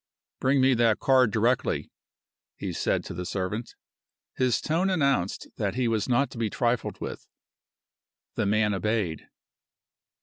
"Bring me that card directly," he said to the servant. His tone announced that he was not to be trifled with. The man obeyed.